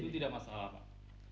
itu tidak masalah pak